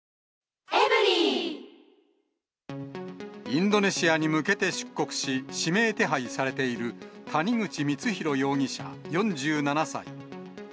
インドネシアに向けて出国し、指名手配されている谷口光弘容疑者４７歳。